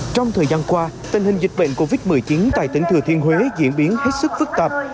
trong thời gian qua tình hình dịch bệnh covid một mươi chín tại tỉnh thừa thiên huế diễn biến hết sức phức tạp